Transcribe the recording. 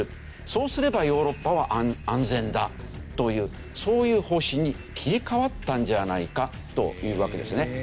そうすればヨーロッパは安全だというそういう方針に切り替わったんじゃないかというわけですね。